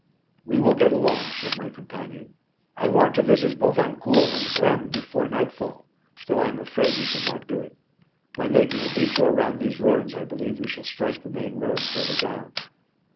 "We will get along," said my companion. "I want to visit Bovincourt and Vraignes before nightfall, though I am afraid we shall not do it. By making a detour round these ruins I believe we shall strike the main road further down."